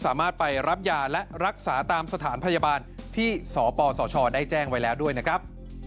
สามารถไปรับยาและรักษาตามสถานพยาบาลที่สปสชได้แจ้งไว้แล้วด้วยนะครับ